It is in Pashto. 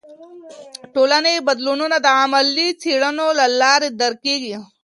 ټولنې بدلونونه د علمي څیړنو له لارې درک کیږي.